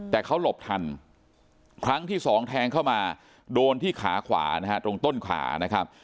แต่เขาหลบทันครั้งที่สองแทงเข้ามาโดนที่ขาขวานะฮะตรงต้นขานะครับ